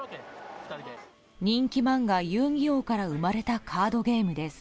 人気漫画「遊☆戯☆王」から生まれたカードゲームです。